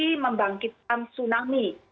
potensi membangkitkan tsunami